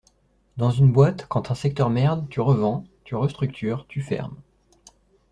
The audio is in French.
Dans une boîte quand un secteur merde, tu revends, tu restructures, tu fermes.